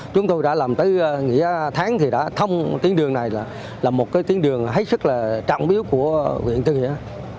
chúng tôi đã làm tới nghĩa tháng thì đã thông tuyến đường này là một cái tuyến đường hết sức là trọng biếu của huyện tư nghĩa